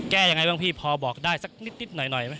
แก้ยังไงบ้างพี่พอบอกได้สักนิดหน่อยไหม